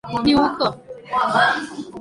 利乌克。